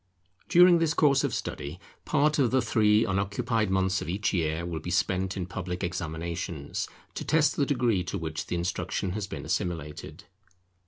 During this course of study, part of the three unoccupied months of each year will be spent in public examinations, to test the degree to which the instruction has been assimilated.